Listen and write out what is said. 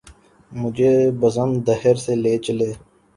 مجھے بزم دہر سے لے چلے